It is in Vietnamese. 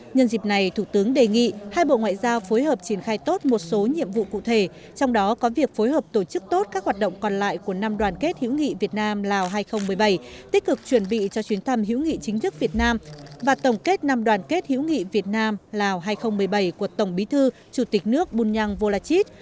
nhân dịp này thủ tướng đề nghị hai bộ ngoại giao phối hợp triển khai tốt một số nhiệm vụ cụ thể trong đó có việc phối hợp tổ chức tốt các hoạt động còn lại của năm đoàn kết hữu nghị việt nam lào hai nghìn một mươi bảy tích cực chuẩn bị cho chuyến thăm hữu nghị chính thức việt nam và tổng kết năm đoàn kết hữu nghị việt nam lào hai nghìn một mươi bảy của tổng bí thư chủ tịch nước bunyang volachit